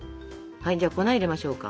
じゃあ粉入れましょうか。